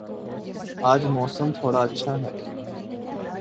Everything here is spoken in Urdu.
آج موسم تھوڑا اچھا ہے